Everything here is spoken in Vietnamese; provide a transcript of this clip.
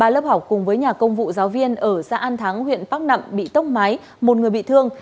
ba lớp học cùng với nhà công vụ giáo viên ở xã an thắng huyện bắc nậm bị tốc mái một người bị thương